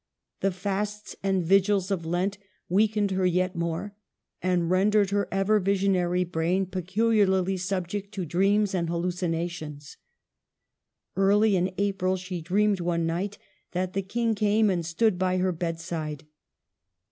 The fasts and vigils of Lent weakened her yet more, and rendered her ever visionary brain peculiarly subject to dreams and hallucinations. Early in April she dreamed one night that the King came and stood by her bedside.